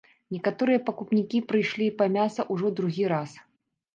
Некаторыя пакупнікі прыйшлі па мяса ўжо другі раз.